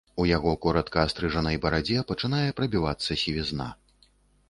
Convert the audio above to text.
У яго коратка астрыжанай барадзе пачынае прабівацца сівізна.